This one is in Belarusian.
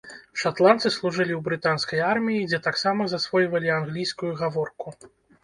Шатландцы служылі ў брытанскай арміі, дзе таксама засвойвалі англійскую гаворку.